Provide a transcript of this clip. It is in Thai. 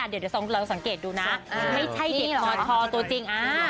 เดี๋ยวเราสังเกตดูนะไม่ใช่เด็กมชตัวจริง